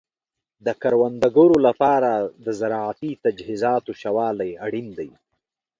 د کروندګرو لپاره د زراعتي تجهیزاتو ښه والی اړین دی.